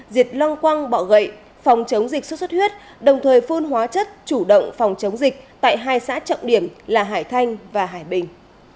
diệt long quăng bọ gậy phòng chống dịch xuất xuất huyết đồng thời phun hóa chất chủ động phòng chống dịch tại hai xã trọng điểm là hải thanh và hải bình